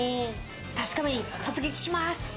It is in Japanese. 確かめに突撃します。